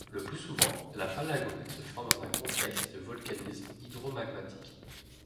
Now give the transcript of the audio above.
Le plus souvent, la palagonite se forme dans un contexte de volcanisme hydromagmatique.